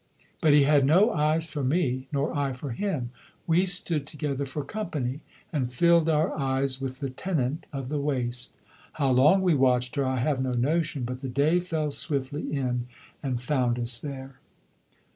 But he had no eyes for me, nor I for him. We stood together for company, and filled our eyes with the tenant of the waste. How long we watched her I have no notion, but the day fell swiftly in and found us there.